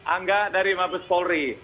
angga dari mabes polri